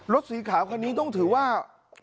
รถสีขาวคันนี้ต้องถือว่า